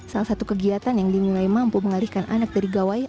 salah satu kegiatan yang dinilai mampu mengalihkan anak dari gawai